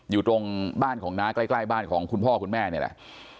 อยู่ตรงบ้านของน้าใกล้บ้านของคุณพ่อคุณแม่นี่แหละ